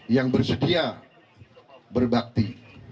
yang bersedia berbakti